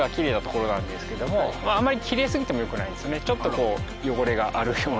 ちょっと汚れがあるような。